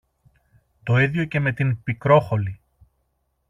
Το ίδιο και με την Πικρόχολη.